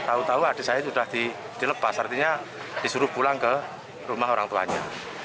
tahu tahu adik saya sudah dilepas artinya disuruh pulang ke rumah orang tuanya